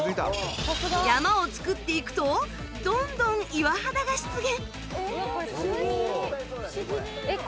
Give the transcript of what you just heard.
山を作っていくとどんどん岩肌が出現